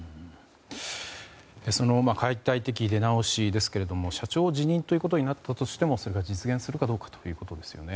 その解体的出直しですが社長辞任ということになったとしてもそれが実現するかどうかというところですよね。